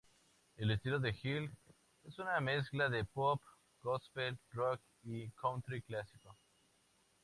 El estilo de Hill, es una mezcla de pop, "gospel", "rock" y "country" clásico.